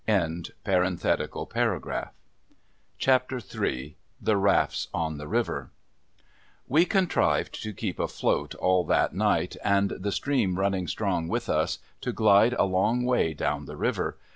1 CHAPTER III THE RAFTS ON THE RIVER We contrived to keep afloat all that night, and, the stream running strong with us, to glide a long way down the river.